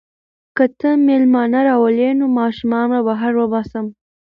که ته مېلمانه راولې نو ماشومان به بهر وباسم.